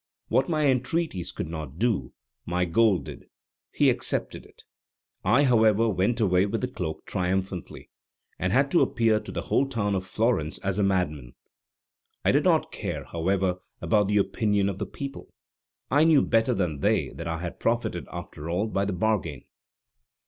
What my entreaties could not do, my gold did. He accepted it. I, however, went away with the cloak triumphantly, and had to appear to the whole town of Florence as a madman. I did not care, however, about the opinion of the people; I knew better than they that I profited after all by the bargain.